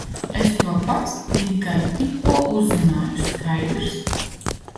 Es to pats tikai tikko uzzināju, skaidrs?